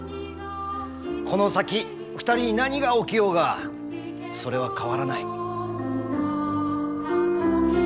この先２人に何が起きようがそれは変わらない。